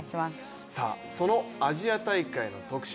そのアジア大会の特集